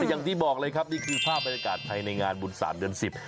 อย่างที่บอกเลยครับนี่คือภาพบรรยากาศภายในงานบุญศาสตร์เดือน๑๐